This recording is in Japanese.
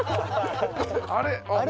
あれ？